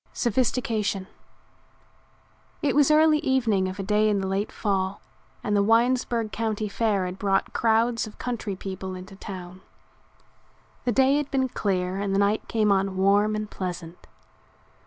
SOPHISTICATION It was early evening of a day in the late fall and the Winesburg County Fair had brought crowds of country people into town. The day had been clear and the night came on warm and pleasant.